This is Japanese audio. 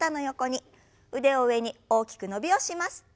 腕を上に大きく伸びをします。